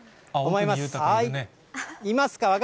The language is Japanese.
いますか？